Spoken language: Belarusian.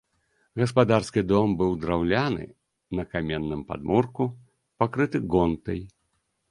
Гаспадарскі дом быў драўляны, на каменным падмурку, пакрыты гонтай.